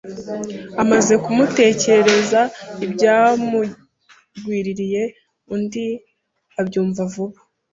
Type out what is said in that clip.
Amaze kumutekerereza ibyamugwiririye undi abyumva vuba